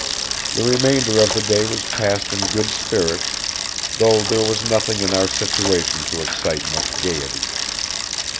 The remainder of the day was passed in good spirits, though there was nothing in our situation to excite much gaiety.